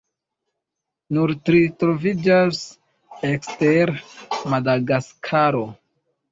Nur tri troviĝas ekster Madagaskaro.